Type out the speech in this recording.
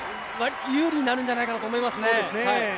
有利になるんじゃないかと思います。